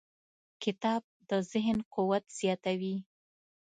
کتاب د ذهن قوت زیاتوي.